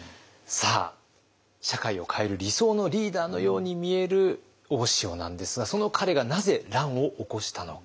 さあ社会を変える理想のリーダーのように見える大塩なんですがその彼がなぜ乱を起こしたのか。